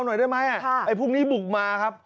หน่อยได้มั้ยอ่ะไอ้พวกนี้บุกมาครับ